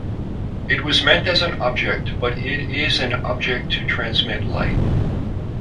It was meant as an object but it is an object to transmit light.